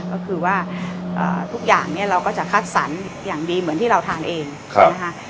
ก็คือว่าทุกอย่างเนี่ยเราก็จะคัดสรรอย่างดีเหมือนที่เราทานเองนะคะ